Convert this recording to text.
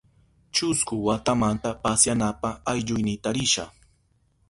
Chusku watamanta pasyanapa aylluynita risha.